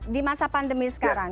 di masa pandemi sekarang